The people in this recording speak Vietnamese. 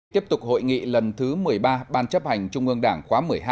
tiếp tục hội nghị lần thứ một mươi ba ban chấp hành trung ương đảng khóa một mươi hai